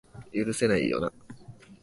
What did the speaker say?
許せないよな